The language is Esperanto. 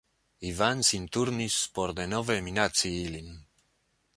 Ivan sin turnis por denove minaci ilin.